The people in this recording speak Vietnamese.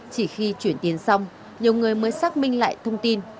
chỉ khi chuyển tiền xong nhiều người mới xác minh lại thông tin